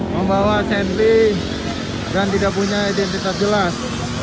membawa sentri dan tidak punya identitas jelas